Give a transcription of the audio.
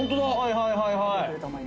はいはいはい。